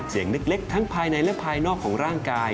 เสียงเล็กทั้งภายในและภายนอกของร่างกาย